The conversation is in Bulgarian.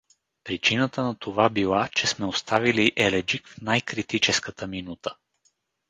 Причината на това била, че сме оставили Еледжик в най-критическата минута.